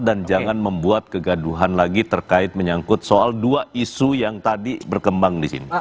dan jangan membuat kegaduhan lagi terkait menyangkut soal dua isu yang tadi berkembang disini